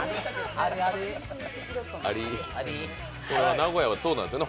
名古屋はそうなんですよね